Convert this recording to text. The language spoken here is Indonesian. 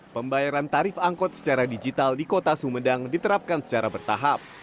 pembayaran tarif angkot secara digital di kota sumedang diterapkan secara bertahap